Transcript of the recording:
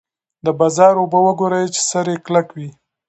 د بازار اوبه وګورئ چې سر یې کلک وي.